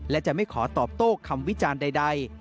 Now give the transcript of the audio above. และจะไม่ขอตอบโต้คำวิจารณ์ใด